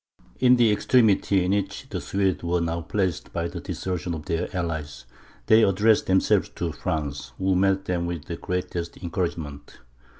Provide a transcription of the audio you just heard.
In the extremity in which the Swedes were now placed by the desertion of their allies, they addressed themselves to France, who met them with the greatest encouragement.